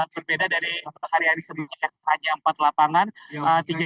berbeda dari hari hari sebelumnya hanya empat lapangan